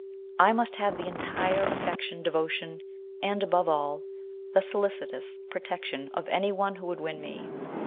I must have the entire affection, devotion, and, above all, the solicitous protection of any one who would win me.